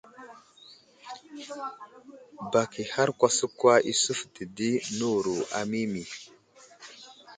Bak ihar kwaskwa i suvde di newuro a Mimi.